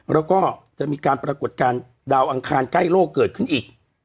แล้วก็จะมีการปรากฏการณ์ดาวอังคารใกล้โลกเกิดขึ้นอีก